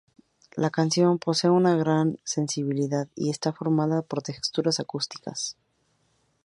La canción posee una gran sensibilidad y está formada por texturas acústicas.